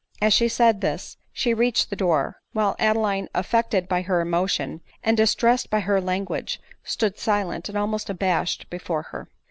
As she said this she reached the door ; while Adeline, affected by her emotion, and distressed by her language, stood silent and almost abashed before her.